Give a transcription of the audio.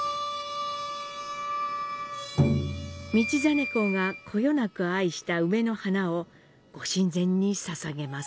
道真公がこよなく愛した梅の花を御神前に捧げます。